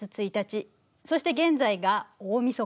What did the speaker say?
そして現在が大みそか。